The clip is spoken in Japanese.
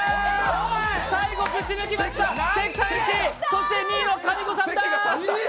最後ぶち抜きました、関さん１位、そして２位はかみこさんだ！